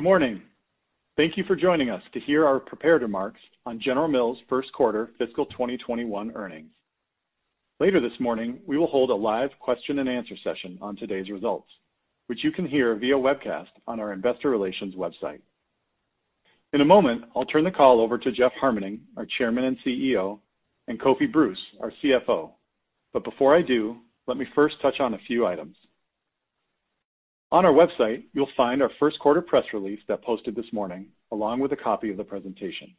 Good morning. Thank you for joining us to hear our prepared remarks on General Mills' first quarter fiscal 2021 earnings. Later this morning, we will hold a live question and answer session on today's results, which you can hear via webcast on our investor relations website. In a moment, I'll turn the call over to Jeff Harmening, our Chairman and CEO, and Kofi Bruce, our CFO. Before I do, let me first touch on a few items. On our website, you'll find our first quarter press release that posted this morning, along with a copy of the presentation.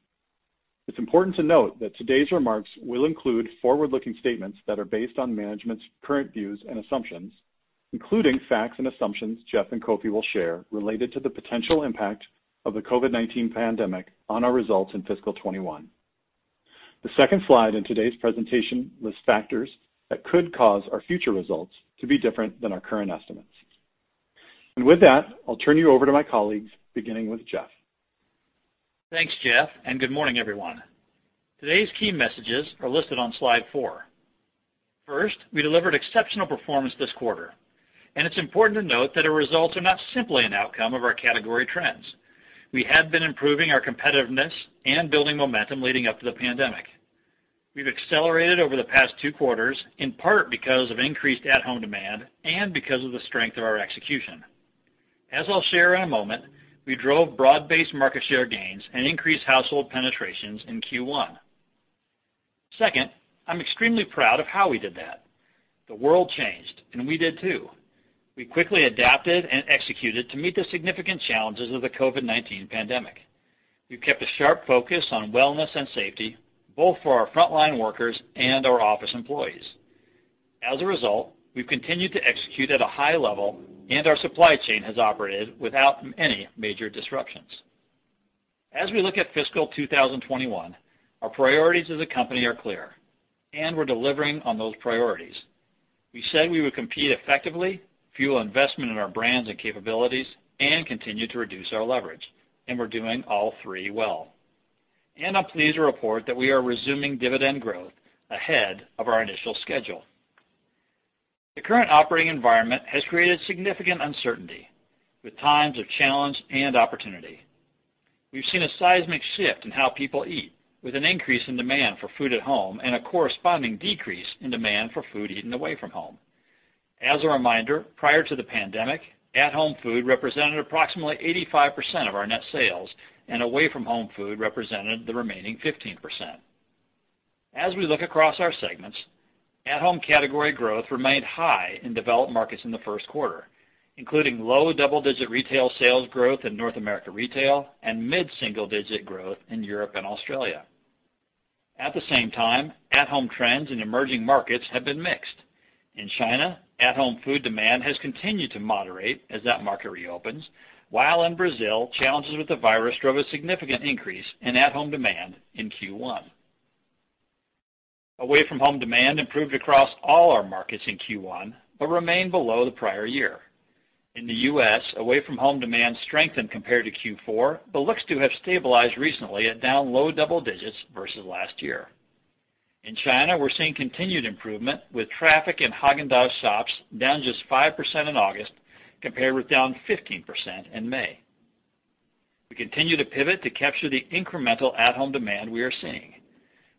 It's important to note that today's remarks will include forward-looking statements that are based on management's current views and assumptions, including facts and assumptions Jeff and Kofi will share related to the potential impact of the COVID-19 pandemic on our results in fiscal 2021. The second slide in today's presentation lists factors that could cause our future results to be different than our current estimates. With that, I'll turn you over to my colleagues, beginning with Jeff. Thanks, Jeff, and good morning, everyone. Today's key messages are listed on slide four. First, we delivered exceptional performance this quarter, and it's important to note that our results are not simply an outcome of our category trends. We had been improving our competitiveness and building momentum leading up to the pandemic. We've accelerated over the past two quarters, in part because of increased at-home demand and because of the strength of our execution. As I'll share in a moment, we drove broad-based market share gains and increased household penetrations in Q1. Second, I'm extremely proud of how we did that. The world changed, and we did too. We quickly adapted and executed to meet the significant challenges of the COVID-19 pandemic. We've kept a sharp focus on wellness and safety, both for our frontline workers and our office employees. As a result, we've continued to execute at a high level, and our supply chain has operated without any major disruptions. As we look at fiscal 2021, our priorities as a company are clear, and we're delivering on those priorities. We said we would compete effectively, fuel investment in our brands and capabilities, and continue to reduce our leverage, and we're doing all three well. I'm pleased to report that we are resuming dividend growth ahead of our initial schedule. The current operating environment has created significant uncertainty, with times of challenge and opportunity. We've seen a seismic shift in how people eat, with an increase in demand for food at home and a corresponding decrease in demand for food eaten away from home. As a reminder, prior to the pandemic, at-home food represented approximately 85% of our net sales, and away from home food represented the remaining 15%. As we look across our segments, at-home category growth remained high in developed markets in the first quarter, including low double-digit retail sales growth in North America Retail and mid-single digit growth in Europe and Australia. At the same time, at-home trends in emerging markets have been mixed. In China, at-home food demand has continued to moderate as that market reopens, while in Brazil, challenges with the virus drove a significant increase in at-home demand in Q1. Away from home demand improved across all our markets in Q1, but remained below the prior year. In the U.S., away from home demand strengthened compared to Q4, but looks to have stabilized recently at down low double digits versus last year. In China, we're seeing continued improvement, with traffic in Häagen-Dazs shops down just 5% in August, compared with down 15% in May. We continue to pivot to capture the incremental at-home demand we are seeing.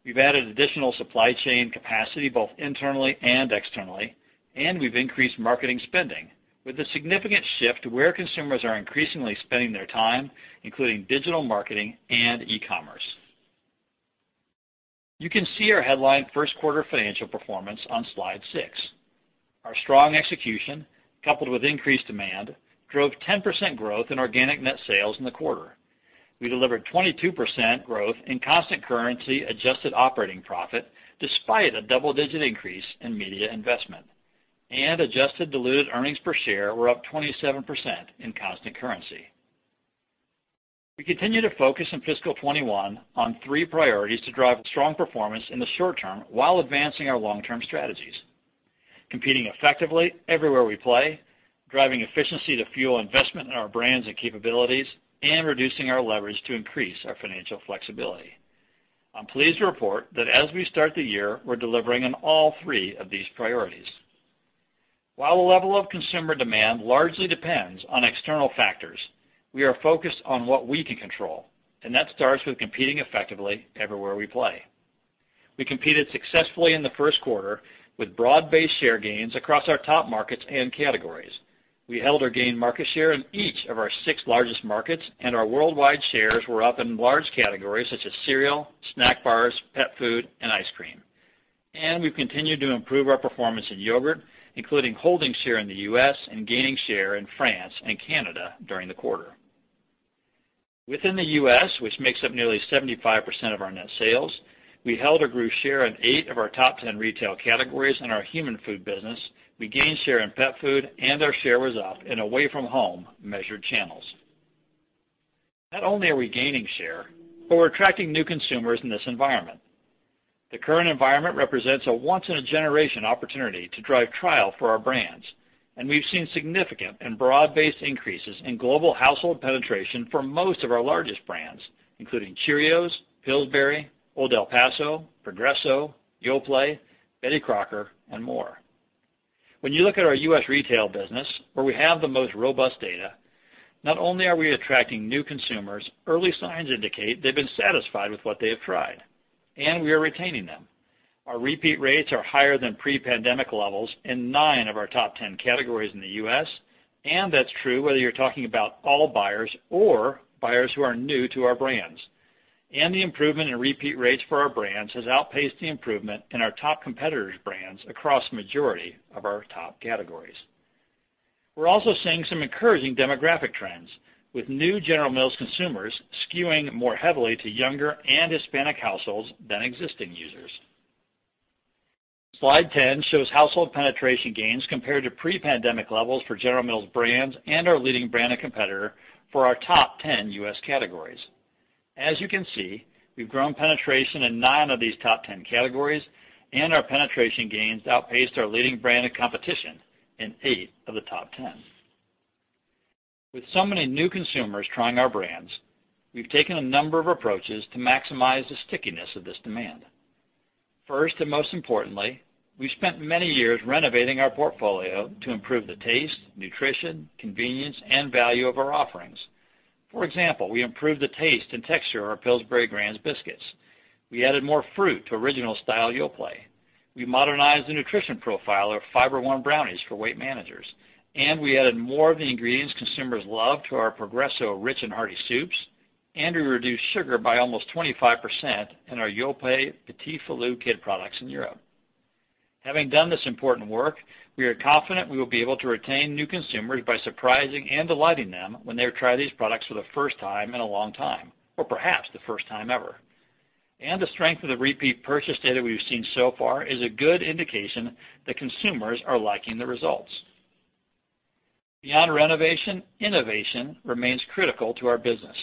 We've added additional supply chain capacity both internally and externally, and we've increased marketing spending with a significant shift to where consumers are increasingly spending their time, including digital marketing and e-commerce. You can see our headline first quarter financial performance on slide six. Our strong execution, coupled with increased demand, drove 10% growth in organic net sales in the quarter. We delivered 22% growth in constant currency adjusted operating profit, despite a double-digit increase in media investment, and adjusted diluted earnings per share were up 27% in constant currency. We continue to focus in fiscal 2021 on three priorities to drive strong performance in the short term while advancing our long-term strategies, competing effectively everywhere we play, driving efficiency to fuel investment in our brands and capabilities, and reducing our leverage to increase our financial flexibility. I'm pleased to report that as we start the year, we're delivering on all three of these priorities. While the level of consumer demand largely depends on external factors, we are focused on what we can control, and that starts with competing effectively everywhere we play. We competed successfully in the first quarter with broad-based share gains across our top markets and categories. We held or gained market share in each of our six largest markets, our worldwide shares were up in large categories such as cereal, snack bars, pet food, and ice cream. We've continued to improve our performance in yogurt, including holding share in the U.S. and gaining share in France and Canada during the quarter. Within the U.S., which makes up nearly 75% of our net sales, we held or grew share in eight of our top 10 retail categories in our human food business, we gained share in pet food, and our share was up in away from home measured channels. Not only are we gaining share, but we're attracting new consumers in this environment. The current environment represents a once in a generation opportunity to drive trial for our brands, and we've seen significant and broad-based increases in global household penetration for most of our largest brands, including Cheerios, Pillsbury, Old El Paso, Progresso, Yoplait, Betty Crocker, and more. When you look at our U.S. retail business, where we have the most robust data, not only are we attracting new consumers, early signs indicate they've been satisfied with what they have tried, and we are retaining them. Our repeat rates are higher than pre-pandemic levels in nine of our top 10 categories in the U.S., that's true whether you're talking about all buyers or buyers who are new to our brands. The improvement in repeat rates for our brands has outpaced the improvement in our top competitors' brands across majority of our top categories. We're also seeing some encouraging demographic trends, with new General Mills consumers skewing more heavily to younger and Hispanic households than existing users. Slide 10 shows household penetration gains compared to pre-pandemic levels for General Mills brands and our leading brand of competitor for our top 10 U.S. categories. As you can see, we've grown penetration in nine of these top 10 categories, our penetration gains outpaced our leading brand of competition in eight of the top 10. With so many new consumers trying our brands, we've taken a number of approaches to maximize the stickiness of this demand. First, most importantly, we've spent many years renovating our portfolio to improve the taste, nutrition, convenience, and value of our offerings. For example, we improved the taste and texture of our Pillsbury Grands! biscuits. We added more fruit to original style Yoplait. We modernized the nutrition profile of Fiber One brownies for weight managers, and we added more of the ingredients consumers love to our Progresso Rich & Hearty Soups, and we reduced sugar by almost 25% in our Yoplait Petits Filous kid products in Europe. Having done this important work, we are confident we will be able to retain new consumers by surprising and delighting them when they try these products for the first time in a long time, or perhaps the first time ever. The strength of the repeat purchase data we've seen so far is a good indication that consumers are liking the results. Beyond renovation, innovation remains critical to our business.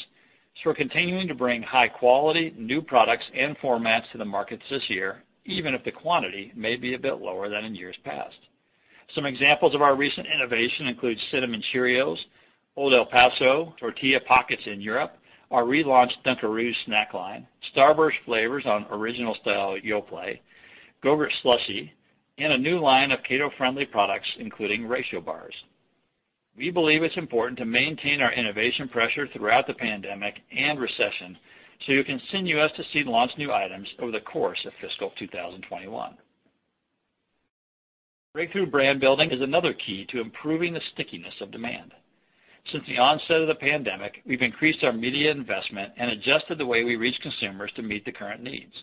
We're continuing to bring high quality, new products and formats to the markets this year, even if the quantity may be a bit lower than in years past. Some examples of our recent innovation include Cinnamon Cheerios, Old El Paso Tortilla Pockets in Europe, our relaunched Dunkaroos snack line, Starburst flavors on original style Yoplait, Go-Gurt Slushie, and a new line of keto-friendly products, including ratio bars. We believe it's important to maintain our innovation pressure throughout the pandemic and recession, so you can continue us to see launch new items over the course of fiscal 2021. Breakthrough brand building is another key to improving the stickiness of demand. Since the onset of the pandemic, we've increased our media investment and adjusted the way we reach consumers to meet the current needs.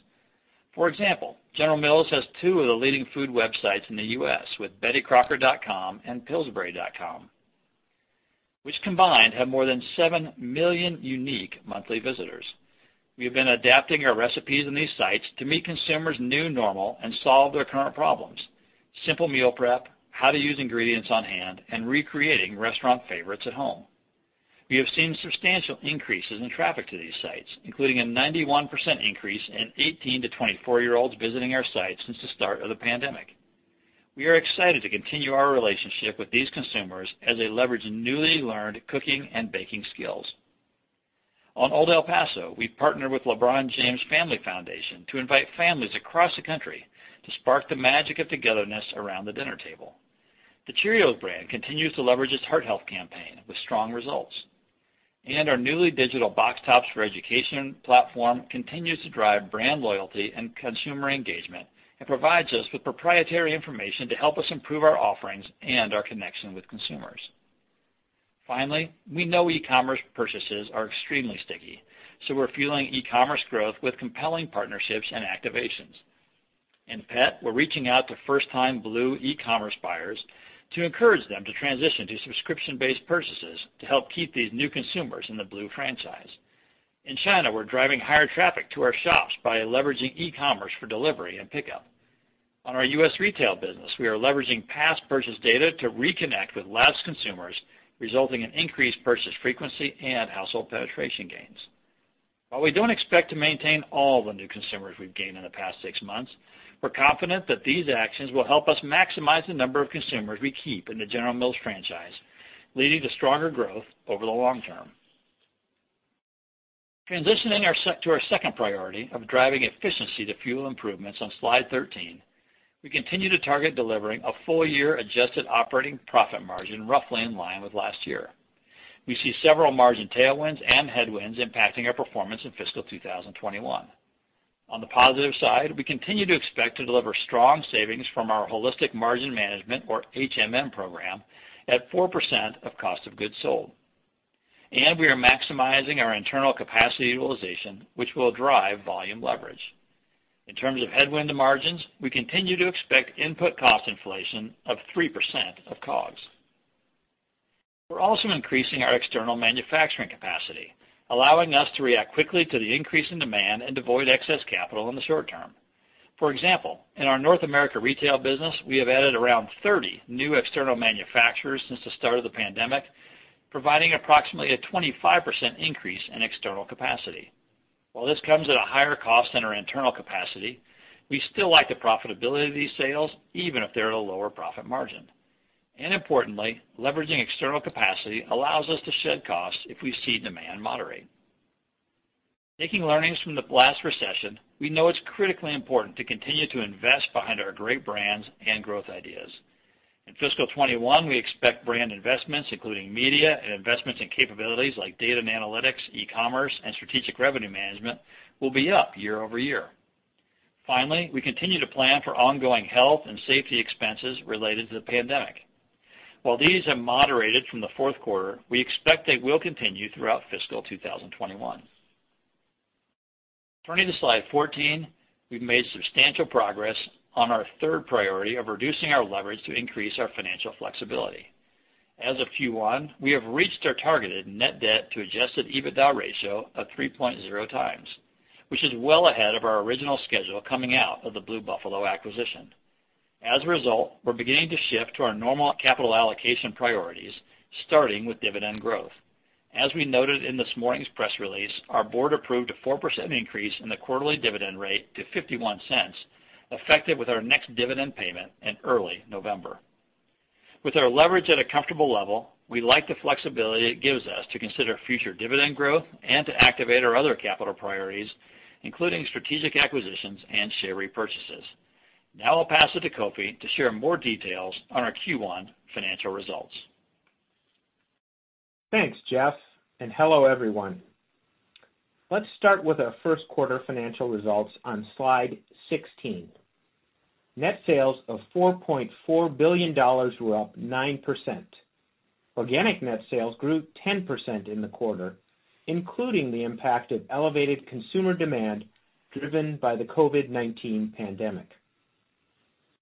For example, General Mills has two of the leading food websites in the U.S. with bettycrocker.com and pillsbury.com, which combined have more than 7 million unique monthly visitors. We have been adapting our recipes on these sites to meet consumers' new normal and solve their current problems: simple meal prep, how to use ingredients on hand, and recreating restaurant favorites at home. We have seen substantial increases in traffic to these sites, including a 91% increase in 18-24-year-olds visiting our site since the start of the pandemic. We are excited to continue our relationship with these consumers as they leverage newly learned cooking and baking skills. On Old El Paso, we've partnered with LeBron James Family Foundation to invite families across the country to spark the magic of togetherness around the dinner table. The Cheerios brand continues to leverage its heart health campaign with strong results. Our newly digital Box Tops for Education platform continues to drive brand loyalty and consumer engagement, and provides us with proprietary information to help us improve our offerings and our connection with consumers. Finally, we know e-commerce purchases are extremely sticky, so we're fueling e-commerce growth with compelling partnerships and activations. In pet, we're reaching out to first-time Blue e-commerce buyers to encourage them to transition to subscription-based purchases to help keep these new consumers in the Blue franchise. In China, we're driving higher traffic to our shops by leveraging e-commerce for delivery and pickup. On our U.S. retail business, we are leveraging past purchase data to reconnect with lapsed consumers, resulting in increased purchase frequency and household penetration gains. While we don't expect to maintain all the new consumers we've gained in the past six months, we're confident that these actions will help us maximize the number of consumers we keep in the General Mills franchise, leading to stronger growth over the long term. Transitioning to our second priority of driving efficiency to fuel improvements on slide 13, we continue to target delivering a full year adjusted operating profit margin roughly in line with last year. We see several margin tailwinds and headwinds impacting our performance in fiscal 2021. On the positive side, we continue to expect to deliver strong savings from our holistic margin management, or HMM program, at 4% of cost of goods sold. We are maximizing our internal capacity utilization, which will drive volume leverage. In terms of headwind to margins, we continue to expect input cost inflation of 3% of COGS. We're also increasing our external manufacturing capacity, allowing us to react quickly to the increase in demand and devoid excess capital in the short term. For example, in our North America Retail business, we have added around 30 new external manufacturers since the start of the pandemic, providing approximately a 25% increase in external capacity. While this comes at a higher cost than our internal capacity, we still like the profitability of these sales, even if they're at a lower profit margin. Importantly, leveraging external capacity allows us to shed costs if we see demand moderate. Taking learnings from the last recession, we know it's critically important to continue to invest behind our great brands and growth ideas. In fiscal 2021, we expect brand investments, including media and investments in capabilities like data and analytics, e-commerce, and strategic revenue management, will be up year-over-year. Finally, we continue to plan for ongoing health and safety expenses related to the pandemic. While these have moderated from the fourth quarter, we expect they will continue throughout fiscal 2021. Turning to slide 14, we've made substantial progress on our third priority of reducing our leverage to increase our financial flexibility. As of Q1, we have reached our targeted net debt to adjusted EBITDA ratio of 3.0 times, which is well ahead of our original schedule coming out of the Blue Buffalo acquisition. As a result, we're beginning to shift to our normal capital allocation priorities, starting with dividend growth. As we noted in this morning's press release, our board approved a 4% increase in the quarterly dividend rate to $0.51, effective with our next dividend payment in early November. With our leverage at a comfortable level, we like the flexibility it gives us to consider future dividend growth and to activate our other capital priorities, including strategic acquisitions and share repurchases. Now I'll pass it to Kofi to share more details on our Q1 financial results. Thanks, Jeff, and hello, everyone. Let's start with our first quarter financial results on slide 16. Net sales of $4.4 billion were up 9%. Organic net sales grew 10% in the quarter, including the impact of elevated consumer demand driven by the COVID-19 pandemic.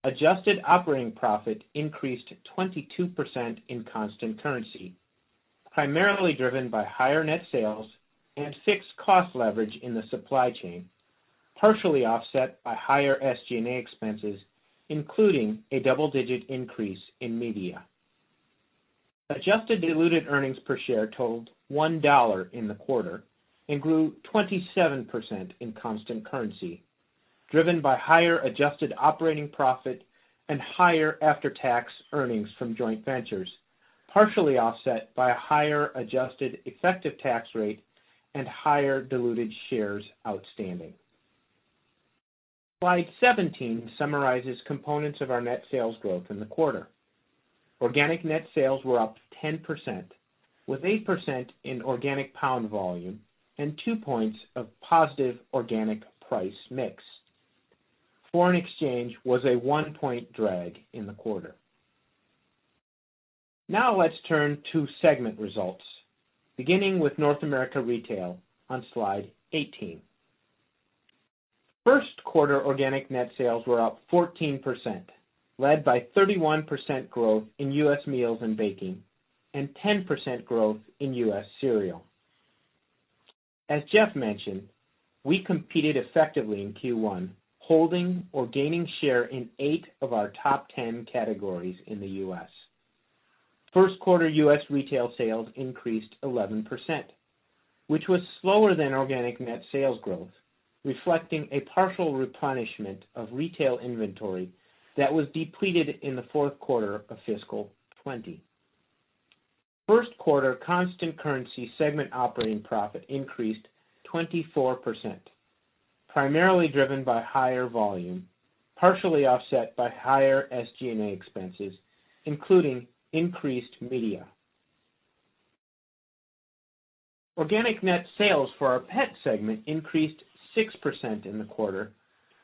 Adjusted operating profit increased 22% in constant currency, primarily driven by higher net sales and fixed cost leverage in the supply chain, partially offset by higher SG&A expenses, including a double-digit increase in media. Adjusted diluted earnings per share totaled $1 in the quarter and grew 27% in constant currency, driven by higher adjusted operating profit and higher after-tax earnings from joint ventures, partially offset by a higher adjusted effective tax rate and higher diluted shares outstanding. Slide 17 summarizes components of our net sales growth in the quarter. Organic net sales were up 10%, with 8% in organic pound volume and two points of positive organic price mix. Foreign exchange was a one-point drag in the quarter. Now let's turn to segment results, beginning with North America Retail on Slide 18. First quarter organic net sales were up 14%, led by 31% growth in U.S. meals and baking, and 10% growth in U.S. cereal. As Jeff mentioned, we competed effectively in Q1, holding or gaining share in 8 of our top 10 categories in the U.S. First quarter U.S. retail sales increased 11%, which was slower than organic net sales growth, reflecting a partial replenishment of retail inventory that was depleted in the fourth quarter of fiscal 2020. First quarter constant currency segment operating profit increased 24%, primarily driven by higher volume, partially offset by higher SG&A expenses, including increased media. Organic net sales for our pet segment increased 6% in the quarter,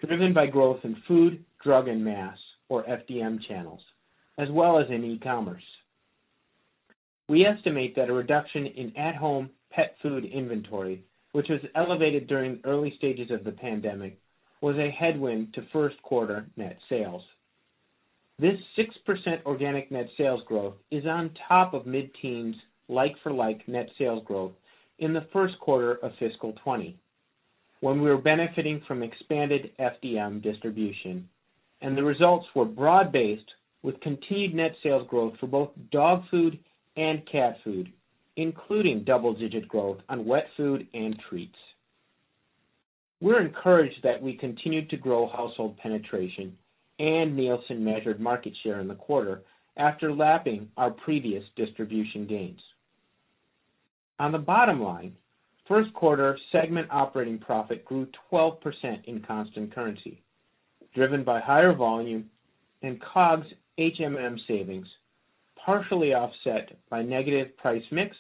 driven by growth in food, drug, and mass, or FDM channels, as well as in e-commerce. We estimate that a reduction in at-home pet food inventory, which was elevated during early stages of the pandemic, was a headwind to first quarter net sales. This 6% organic net sales growth is on top of mid-teens like-for-like net sales growth in the first quarter of fiscal 2020, when we were benefiting from expanded FDM distribution, and the results were broad-based with continued net sales growth for both dog food and cat food, including double-digit growth on wet food and treats. We're encouraged that we continued to grow household penetration and Nielsen-measured market share in the quarter after lapping our previous distribution gains. On the bottom line, first quarter segment operating profit grew 12% in constant currency, driven by higher volume and COGS HMM savings, partially offset by negative price mix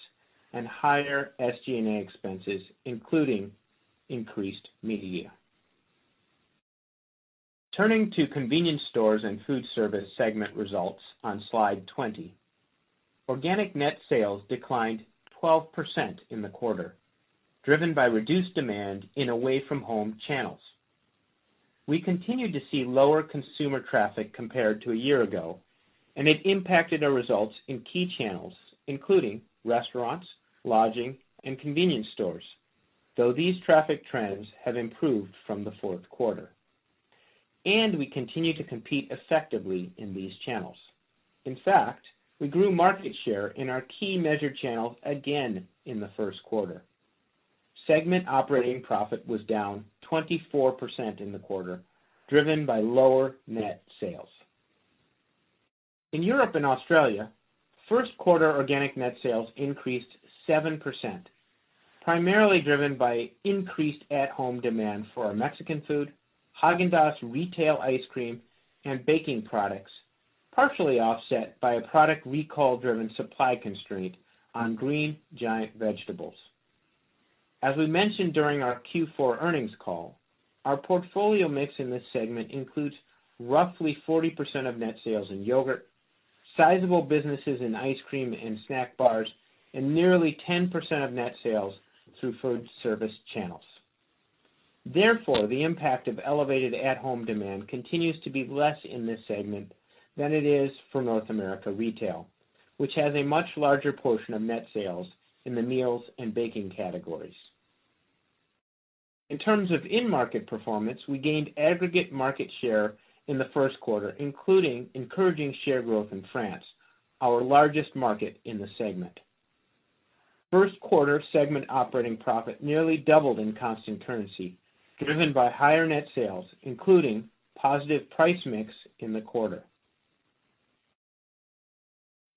and higher SGA expenses, including increased media. Turning to convenience stores and food service segment results on slide 20. Organic net sales declined 12% in the quarter, driven by reduced demand in away-from-home channels. We continued to see lower consumer traffic compared to a year ago, and it impacted our results in key channels, including restaurants, lodging, and convenience stores, though these traffic trends have improved from the fourth quarter, and we continue to compete effectively in these channels. In fact, we grew market share in our key measured channels again in the first quarter. Segment operating profit was down 24% in the quarter, driven by lower net sales. In Europe and Australia, first quarter organic net sales increased 7%, primarily driven by increased at-home demand for our Mexican food, Häagen-Dazs retail ice cream, and baking products, partially offset by a product recall-driven supply constraint on Green Giant vegetables. As we mentioned during our Q4 earnings call, our portfolio mix in this segment includes roughly 40% of net sales in yogurt, sizable businesses in ice cream and snack bars, and nearly 10% of net sales through food service channels. The impact of elevated at-home demand continues to be less in this segment than it is for North America Retail, which has a much larger portion of net sales in the meals and baking categories. In terms of in-market performance, we gained aggregate market share in the first quarter, including encouraging share growth in France, our largest market in the segment. First quarter segment operating profit nearly doubled in constant currency, driven by higher net sales, including positive price mix in the quarter.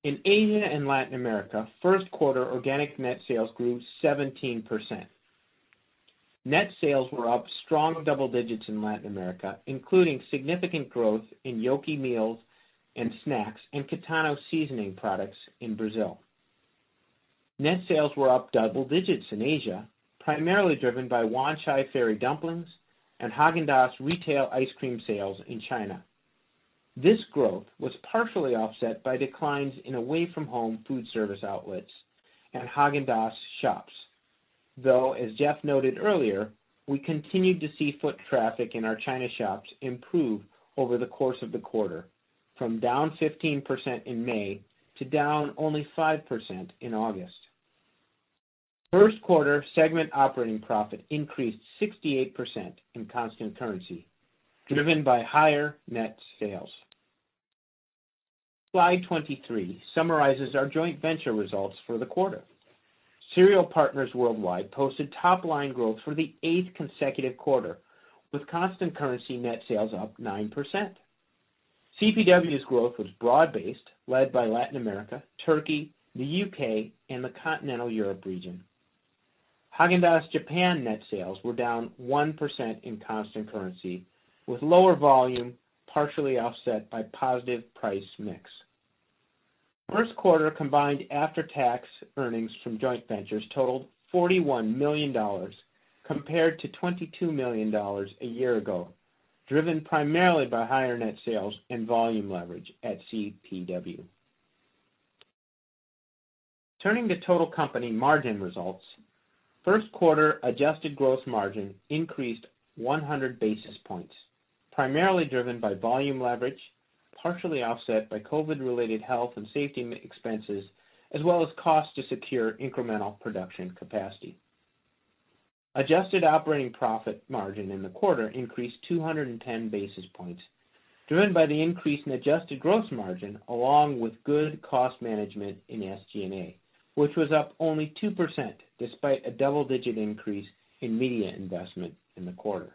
In Asia and Latin America, first quarter organic net sales grew 17%. Net sales were up strong double digits in Latin America, including significant growth in Yoki meals and snacks and Kitano seasoning products in Brazil. Net sales were up double digits in Asia, primarily driven by Wanchai Ferry dumplings and Häagen-Dazs retail ice cream sales in China. This growth was partially offset by declines in away-from-home food service outlets and Häagen-Dazs shops. Though, as Jeff noted earlier, we continued to see foot traffic in our China shops improve over the course of the quarter, from down 15% in May to down only 5% in August. First quarter segment operating profit increased 68% in constant currency, driven by higher net sales. Slide 23 summarizes our joint venture results for the quarter. Cereal Partners Worldwide posted top-line growth for the eighth consecutive quarter, with constant currency net sales up 9%. CPW's growth was broad-based, led by Latin America, Turkey, the U.K., and the continental Europe region. Häagen-Dazs Japan net sales were down 1% in constant currency, with lower volume partially offset by positive price mix. First quarter combined after-tax earnings from joint ventures totaled $41 million, compared to $22 million a year ago, driven primarily by higher net sales and volume leverage at CPW. Turning to total company margin results, first quarter adjusted gross margin increased 100 basis points, primarily driven by volume leverage, partially offset by COVID-19-related health and safety expenses, as well as cost to secure incremental production capacity. Adjusted operating profit margin in the quarter increased 210 basis points, driven by the increase in adjusted gross margin along with good cost management in SGA, which was up only 2% despite a double-digit increase in media investment in the quarter.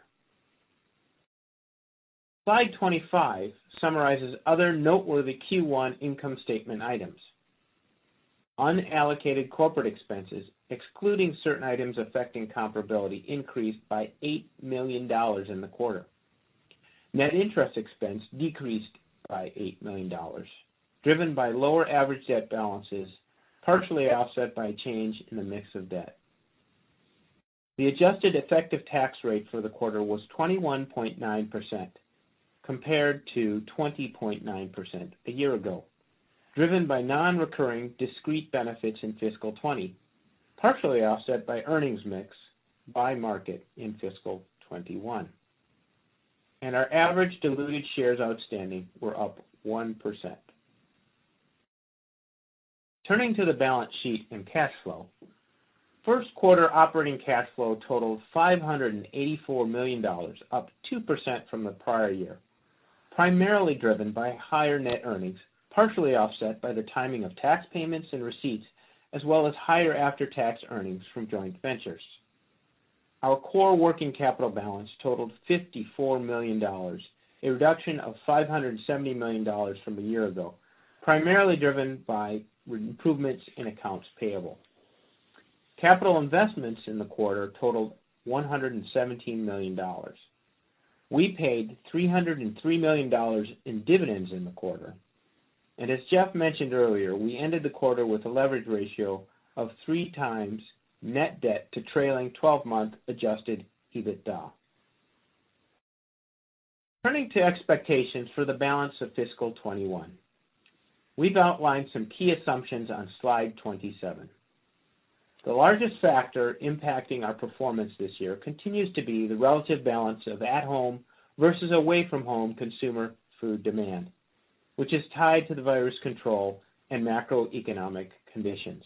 Slide 25 summarizes other noteworthy Q1 income statement items. Unallocated corporate expenses, excluding certain items affecting comparability, increased by $8 million in the quarter. Net interest expense decreased by $8 million, driven by lower average debt balances, partially offset by a change in the mix of debt. The adjusted effective tax rate for the quarter was 21.9% compared to 20.9% a year ago, driven by non-recurring discrete benefits in fiscal 2020, partially offset by earnings mix by market in fiscal 2021. Our average diluted shares outstanding were up 1%. Turning to the balance sheet and cash flow, first quarter operating cash flow totaled $584 million, up 2% from the prior year, primarily driven by higher net earnings, partially offset by the timing of tax payments and receipts, as well as higher after-tax earnings from joint ventures. Our core working capital balance totaled $54 million, a reduction of $570 million from a year ago, primarily driven by improvements in accounts payable. Capital investments in the quarter totaled $117 million. We paid $303 million in dividends in the quarter. As Jeff mentioned earlier, we ended the quarter with a leverage ratio of three times net debt to trailing 12-month adjusted EBITDA. Turning to expectations for the balance of fiscal 2021, we've outlined some key assumptions on slide 27. The largest factor impacting our performance this year continues to be the relative balance of at-home versus away-from-home consumer food demand, which is tied to the virus control and macroeconomic conditions.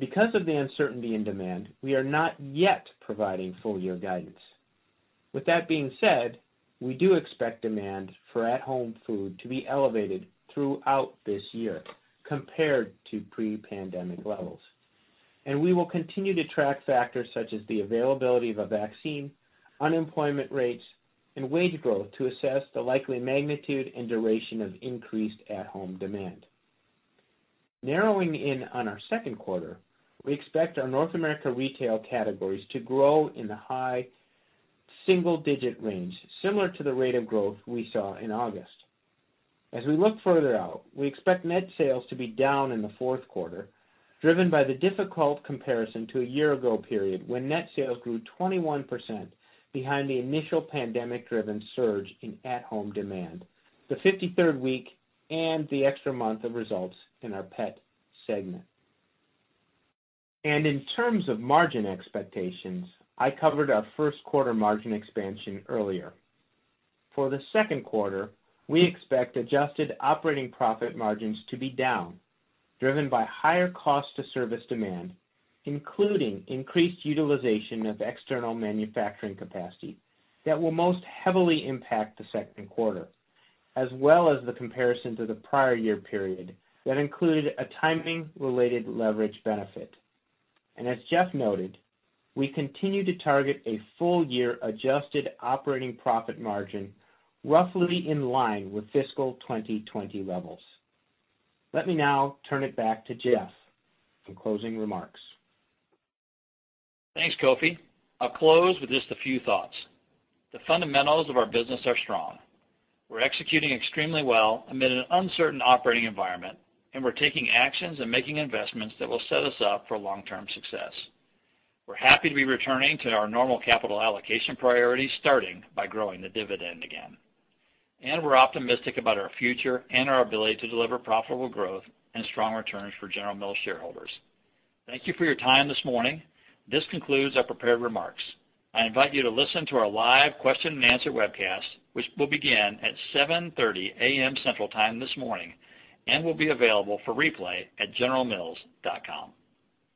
Because of the uncertainty in demand, we are not yet providing full-year guidance. With that being said, we do expect demand for at-home food to be elevated throughout this year compared to pre-pandemic levels. We will continue to track factors such as the availability of a vaccine, unemployment rates, and wage growth to assess the likely magnitude and duration of increased at-home demand. Narrowing in on our second quarter, we expect our North America Retail categories to grow in the high single-digit range, similar to the rate of growth we saw in August. We look further out, we expect net sales to be down in the fourth quarter, driven by the difficult comparison to a year-ago period when net sales grew 21% behind the initial pandemic-driven surge in at-home demand, the 53rd week, and the extra month of results in our pet segment. In terms of margin expectations, I covered our first quarter margin expansion earlier. For the second quarter, we expect adjusted operating profit margins to be down, driven by higher cost to service demand, including increased utilization of external manufacturing capacity that will most heavily impact the second quarter, as well as the comparison to the prior year period that included a timing-related leverage benefit. As Jeff noted, we continue to target a full year adjusted operating profit margin roughly in line with fiscal 2020 levels. Let me now turn it back to Jeff for closing remarks. Thanks, Kofi. I'll close with just a few thoughts. The fundamentals of our business are strong. We're executing extremely well amid an uncertain operating environment, and we're taking actions and making investments that will set us up for long-term success. We're happy to be returning to our normal capital allocation priorities, starting by growing the dividend again. We're optimistic about our future and our ability to deliver profitable growth and strong returns for General Mills shareholders. Thank you for your time this morning. This concludes our prepared remarks. I invite you to listen to our live question and answer webcast, which will begin at 7:30 A.M. Central Time this morning and will be available for replay at generalmills.com.